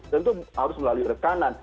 tentu harus melalui rekanan